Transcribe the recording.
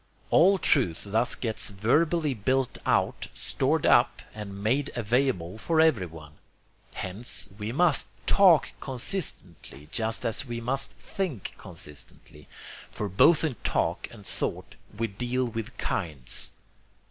All truth thus gets verbally built out, stored up, and made available for everyone. Hence, we must TALK consistently just as we must THINK consistently: for both in talk and thought we deal with kinds.